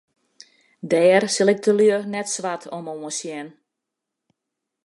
Dêr sil ik de lju net swart om oansjen.